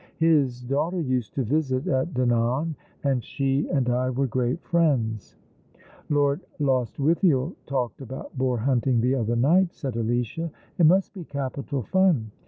His daughter used to visit at Dinan, and she and I were great friends." "Lord Lostwithiel talked about boar hunting the other night," said Alicia. "It must be capital fun."